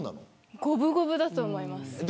五分五分だと思います。